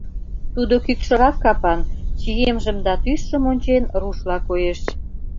Тудо кӱкшырак капан, чиемжым да тӱсшым ончен, рушла коеш.